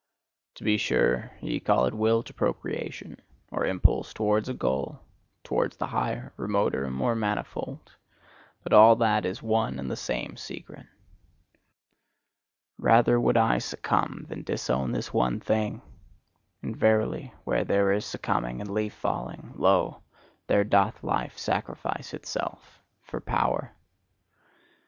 To be sure, ye call it will to procreation, or impulse towards a goal, towards the higher, remoter, more manifold: but all that is one and the same secret. Rather would I succumb than disown this one thing; and verily, where there is succumbing and leaf falling, lo, there doth Life sacrifice itself for power!